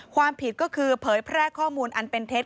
ความผิดก็คือเผยแพร่ข้อมูลอันเป็นเท็จ